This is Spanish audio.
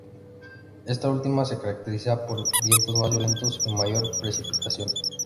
Esta última se caracteriza por vientos más violentos y mayor precipitación.